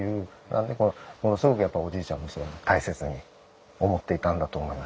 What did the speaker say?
なんでものすごくおじいちゃんも大切に思っていたんだと思いますね。